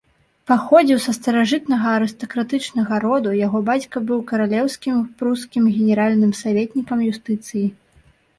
Паходзіў са старажытнага арыстакратычнага роду, яго бацька быў каралеўскім прускім генеральным саветнікам юстыцыі.